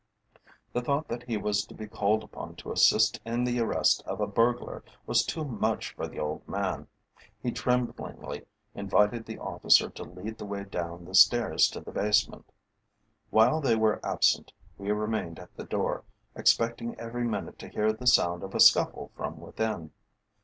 The thought that he was to be called upon to assist in the arrest of a burglar was too much for the old man. He tremblingly invited the officer to lead the way down the stairs to the basement. While they were absent we remained at the door, expecting every minute to hear the sound of a scuffle from within.